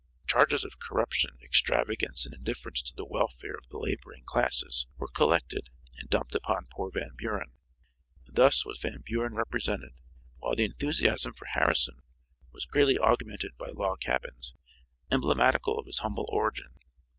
Charges of corruption, extravagance and indifference to the welfare of the laboring classes were collected and dumped upon poor Van Buren. Thus was Van Buren represented, while the enthusiasm for Harrison was greatly augmented by log cabins, emblematical of his humble origin.